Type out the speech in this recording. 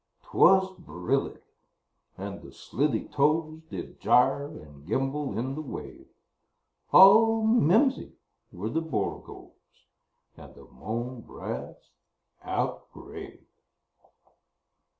'Twas brillig, and the slithy toves Did gyre and gimble in the wabe: All mimsy were the borogoves, And the mome raths outgrabe.